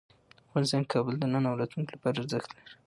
افغانستان کې کابل د نن او راتلونکي لپاره ارزښت لري.